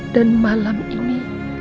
dan malam ini